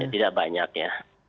tidak banyak ya